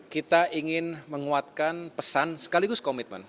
kita ingin menguatkan pesan sekaligus komitmen